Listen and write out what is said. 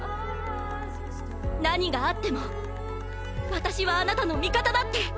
何があっても私はあなたの味方だって！